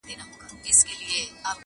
• د درخانۍ د ځوانیمرګو حجابونو کیسه -